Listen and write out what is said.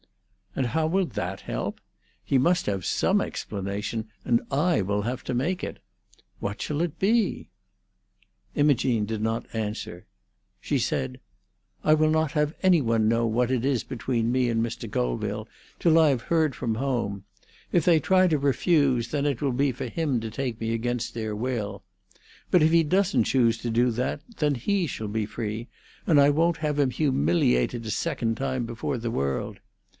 "And how will that help? He must have some explanation, and I will have to make it. What shall it be?" Imogene did not answer. She said: "I will not have any one know what is between me and Mr. Colville till I have heard from home. If they try to refuse, then it will be for him to take me against their will. But if he doesn't choose to do that, then he shall be free, and I won't have him humiliated a second time before the world.